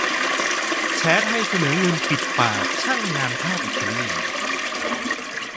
แฉไทยเสนอเงิน ปิดปาก! ยิงช่างภาพอิตาลี